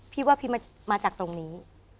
พี่ว่าพี่มาจากตรงนี้